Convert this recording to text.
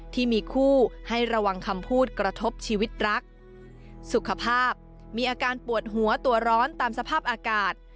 ที่มีคู่ให้ระวังคำพูดกระทบชีวิตรักสุขภาพมีอาการปวดหัวตัวร้อนตามสภาพอากาศ